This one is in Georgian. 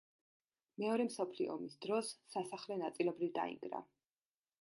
მეორე მსოფლიო ომის დროს სასახლე ნაწილობრივ დაინგრა.